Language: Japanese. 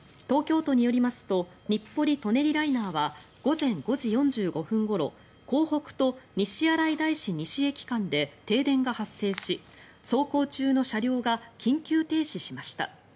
東京都によりますと日暮里・舎人ライナーは午前５時４５分ごろ江北と西新井大師西駅間で停電が発生し、走行中の車両が緊急停止しました。